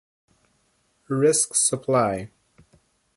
Risk supply.